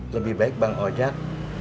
lebih baik bang ojak